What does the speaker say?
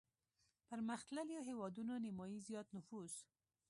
پرمختلليو هېوادونو نيمايي زيات نفوس